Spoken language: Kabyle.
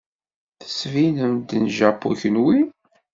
Tettbinem-d n Japu kunwi.